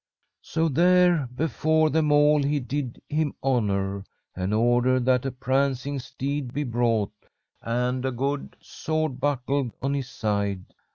"So there before them all he did him honour, and ordered that a prancing steed be brought and a good sword buckled on his side.